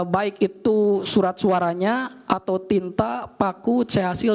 baik itu surat suaranya atau tinta paku c hasil